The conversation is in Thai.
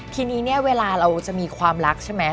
ทีนี้เนี่ยเวลาเราจะมีความรักใช่ไหม